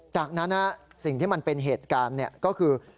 จากนั้นสิ่งที่มันเป็นเหตุการณ์ก็คือ